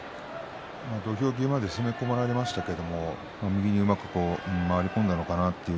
土俵際で攻め込まれましたけれども右にうまく回り込んだのかなと。